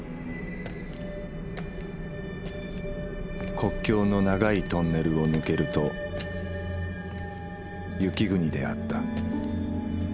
国境の長いトンネルを抜けると雪国であった。